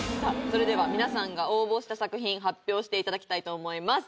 それでは皆さんが応募した作品発表していただきたいと思います